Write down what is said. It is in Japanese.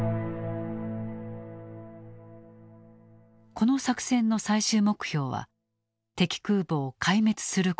この作戦の最終目標は敵空母を壊滅することだった。